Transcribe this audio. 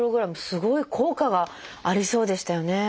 すごい効果がありそうでしたよね。